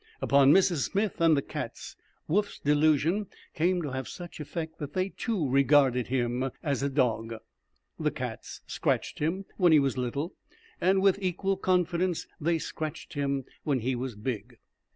Upon Mrs. Smith and the cats Woof's delusion came to have such effect that they, too, regarded him as a dog. The cats scratched him when he was little, and with equal confidence they scratched him when he was big. Mrs.